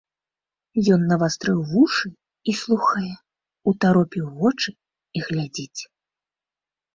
Ён навастрыў вушы і слухае, утаропіў вочы і глядзіць.